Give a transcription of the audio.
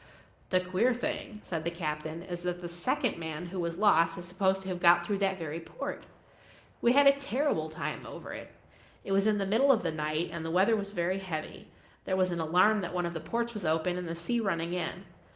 "The queer thing," said the captain, "is that the second man who was lost is supposed to have got through that very port. We had a terrible time over it. It was in the middle of the night, and the weather was very heavy; there was an alarm that one of the ports was open and the sea running in.